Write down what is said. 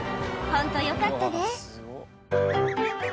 本当、よかったね。